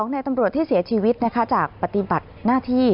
ในตำรวจที่เสียชีวิตนะคะจากปฏิบัติหน้าที่